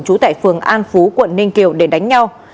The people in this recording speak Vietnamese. trú tại phường an phú quận ninh kiều để đánh nhau